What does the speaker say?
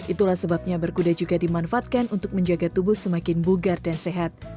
itulah sebabnya berkuda juga dimanfaatkan untuk menjaga tubuh semakin bugar dan sehat